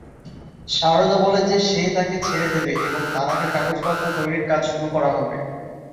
শারদা বলে যে সে তাকে ছেড়ে দেবে এবং তালাকের কাগজপত্র তৈরির কাজ শুরু করা হবে।